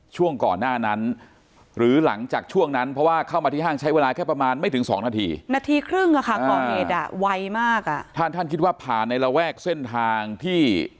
ช่วงก่อนหน้านั้นหรือหลังจากช่วงนั้นเพราะว่าเข้ามาที่ห้างใช้เวลาแค่ประมาณไม่ถึงสองนาที